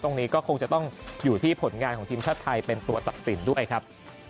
ตรงนี้ก็คงจะต้องอยู่ที่ผลงานของทีมชาติไทยเป็นตัวตัดสินด้วยครับ